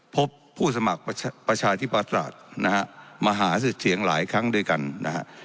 พบผู้สมัครประชาธิปัตย์นะฮะมาหาสุดเสียงหลายครั้งด้วยกันนะฮะ